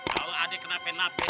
kalau adik kenapain napain